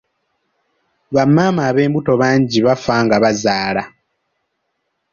Bamaama ab'embuto bangi bafa nga bazaala.